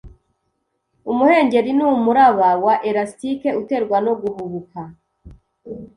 Umuhengeri ni umuraba wa elastique uterwa no guhubuka